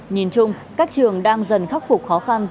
nhìn chung các trường đang dần khắc phục khó khăn